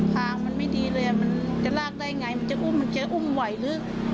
ทางมันไม่ดีเลยมันจะลากได้ไงมันจะอุ้มมันจะอุ้มไหวหรือ